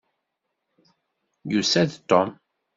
Yusa-d Tom.